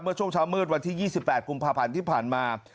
ช่วงเช้ามืดวันที่๒๘กุมภาพันธ์ที่ผ่านมา